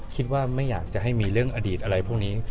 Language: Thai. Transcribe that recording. คิดว่าไม่อยากจะให้มีเรื่องอดีตอะไรพวกนี้